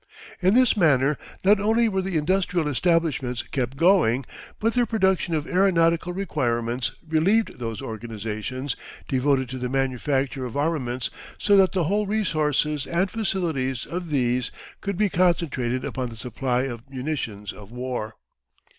In this manner not only were the industrial establishments kept going, but their production of aeronautical requirements relieved those organisations devoted to the manufacture of armaments, so that the whole resources and facilities of these could be concentrated upon the supply of munitions of war.